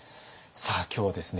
さあ今日はですね